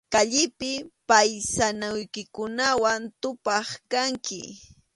Kallipi paysanuykikunawan tupaq kanki.